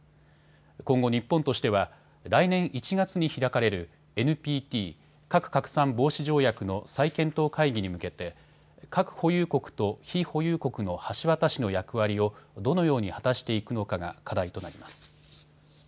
今後、日本としては来年１月に開かれるＮＰＴ・核拡散防止条約の再検討会議に向けて核保有国と非保有国の橋渡しの役割をどのように果たしていくのかが課題となります。